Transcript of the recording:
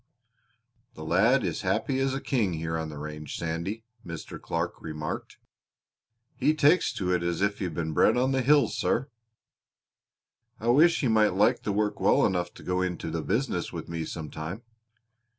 "The lad is happy as a king here on the range, Sandy," Mr. Clark remarked. "He takes to it as if he had been bred on the hills, sir." "I wish he might like the work well enough to go into the business with me some time."